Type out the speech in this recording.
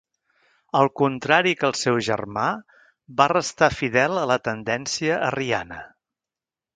Al contrari que el seu germà va restar fidel a la tendència arriana.